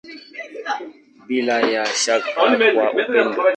Bila ya shaka kwa upendo.